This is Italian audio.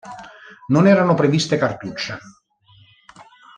Non erano previste cartucce.